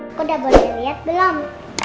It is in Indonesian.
aku udah boleh niat belum